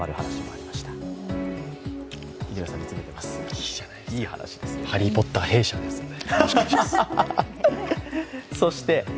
いい話じゃないですか、「ハリー・ポッター」、弊社ですね。